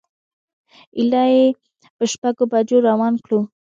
ایله یې په شپږو بجو روان کړو.